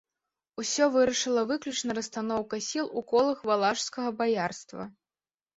Усё вырашала выключна расстаноўка сіл у колах валашскага баярства.